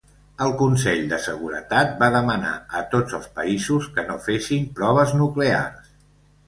El Consell de Seguretat va demanar a tots els països que no fessin proves nuclears.